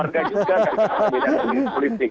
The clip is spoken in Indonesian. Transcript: jadi ada yang berbeda di politik